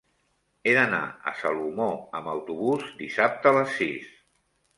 He d'anar a Salomó amb autobús dissabte a les sis.